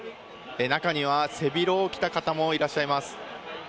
中には背広を着た方もいらっしゃいます。